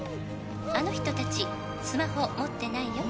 「あの人達スマホ持ってないよ」